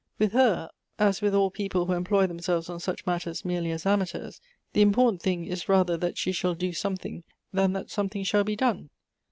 With her, as with all people who employ themselves on such matters merely as amateurs, the imjiortant thing is, rather that she shall do .something, than that something shall be done.